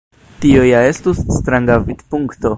Tio ja estus stranga vidpunkto.